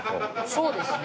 そうですね。